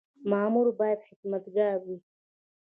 مامور باید خدمتګار وي